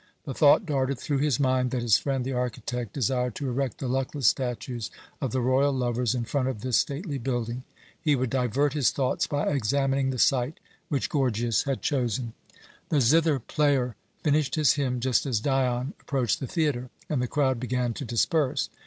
The thought darted through his mind that his friend the architect desired to erect the luckless statues of the royal lovers in front of this stately building. He would divert his thoughts by examining the site which Gorgias had chosen. The zither player finished his hymn just as Dion approached the theatre, and the crowd began to disperse.